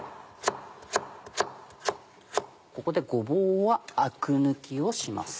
ここでごぼうはアク抜きをします。